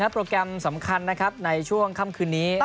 พบกันส้มคันในช่วงค่ำคืนนี้